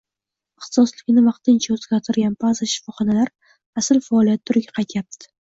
Ixtisosligini vaqtincha o‘zgartirgan ba’zi shifoxonalar asl faoliyat turiga qaytyapti